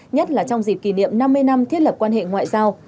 nhất là trong dịp kỷ niệm năm mươi năm thiết lập quan hệ ngoại giao